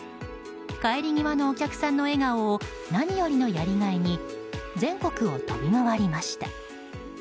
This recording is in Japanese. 帰り際のお客さんの笑顔を何よりのやりがいに全国を飛び回りました。